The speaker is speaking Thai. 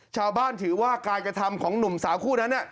ชาวบ้านถือว่าการกระทำของหนุ่มสาวคู่นั้น